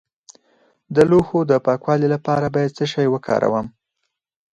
د لوښو د پاکوالي لپاره باید څه شی وکاروم؟